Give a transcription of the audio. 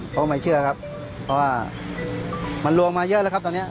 ก็ไม่เชื่อครับเพราะว่ามันรวมมาเยอะแล้วครับตอนนี้